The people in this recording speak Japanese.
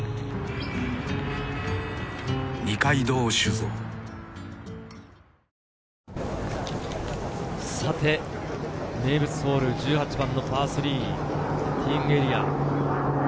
ＪＴ名物ホール１８番のパー３、ティーイングエリア。